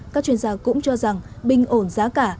các chuyên gia cũng cho rằng bình ổn giá cả